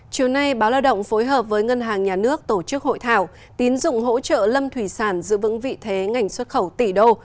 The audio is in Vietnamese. chiều nay báo lao động phối hợp với ngân hàng nhà nước tổ chức hội thảo tín dụng hỗ trợ lâm thủy sản giữ vững vị thế ngành xuất khẩu tỷ đô